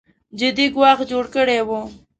جدي ګواښ جوړ کړی و